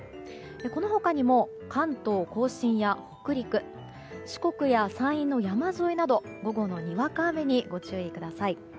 この他にも関東・甲信や北陸四国や山陰の山沿いなど午後のにわか雨にご注意ください。